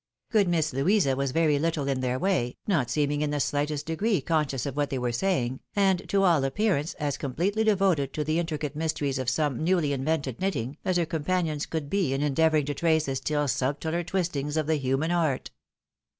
Good Miss Louisa was very httle in their way, not seeming in the shghtest degree conscious of what they were saying, and to all appearance as completely devoted to the in tricate mysteries of some newly invented knitting, as her com panions could be in endeavouring to trace the stiU subtiler twistings of the human heart.